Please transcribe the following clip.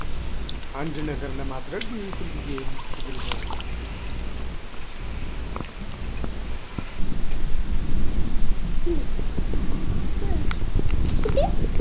አንድ ነገር ለማድረግ ሁልጊዜ ትግል ነው፡፡